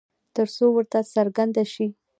ترڅو ورته څرگنده شي